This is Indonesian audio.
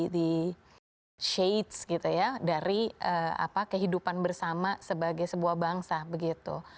di shate gitu ya dari kehidupan bersama sebagai sebuah bangsa begitu